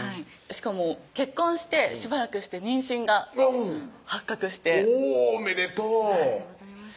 しかも結婚してしばらくして妊娠が発覚しておぉおめでとうおめでとうございます